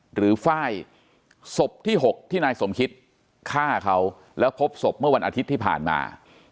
ไฟล์ศพที่๖ที่นายสมคิตฆ่าเขาแล้วพบศพเมื่อวันอาทิตย์ที่ผ่านมา